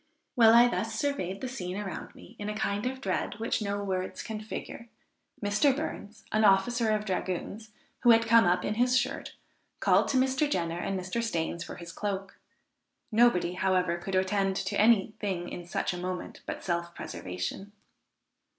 While I thus surveyed the scene around me in a kind of dread which no words can figure, Mr. Burns, an officer of dragoons, who had come up in his shirt, called to Mr. Jenner and Mr. Stains for his cloak; nobody, however, could attend to any thing in such a moment but self preservation.